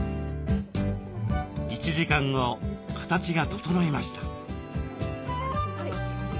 １時間後形が整いました。